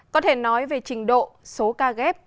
có thể nói về trình độ số ca ghép